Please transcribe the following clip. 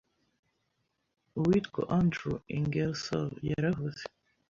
u witwa Andrew Ingersoll yaravuze